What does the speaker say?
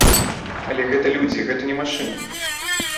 Але гэта людзі, гэта не машыны.